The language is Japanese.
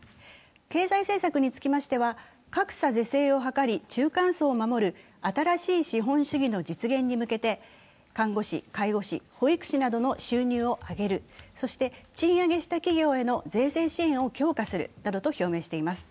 経済政策につきましては格差是正を図り中間層を守る新しい資本主義の実現に向けて看護師、介護士、保育士などの収入を上げる、そして賃上げした企業への税制支援を強化するなどを挙げています。